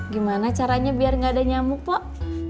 gimana caranya biar gak ada nyamuk pak